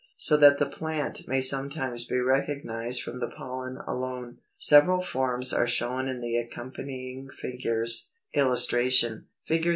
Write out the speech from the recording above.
So that the plant may sometimes be recognized from the pollen alone. Several forms are shown in the accompanying figures. [Illustration: Fig.